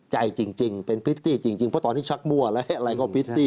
ด้วยใจจริงเป็นพิธีจริงเพราะตอนที่ชักมั่วอะไรก็พิธี